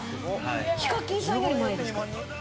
ＨＩＫＡＫＩＮさんより前？